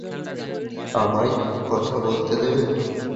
আমায় কথা বলতে দেবে।